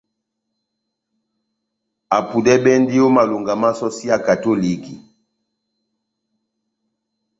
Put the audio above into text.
Apudɛbɛndi ó malonga má sɔsi ya katoliki.